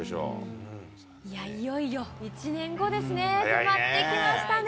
いや、いよいよ１年後ですね、迫ってきましたね。